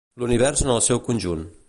L'univers en el seu conjunt.